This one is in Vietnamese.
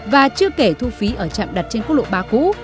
và chưa kể thu phí ở trạm đặt trên quốc lộ ba cũ